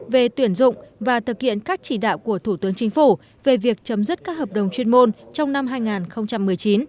về tuyển dụng và thực hiện các chỉ đạo của thủ tướng chính phủ về việc chấm dứt các hợp đồng chuyên môn trong năm hai nghìn một mươi chín